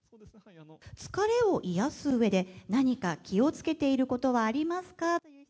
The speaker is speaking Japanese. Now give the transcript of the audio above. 疲れを癒やすうえで、何か気をつけていることはありますか？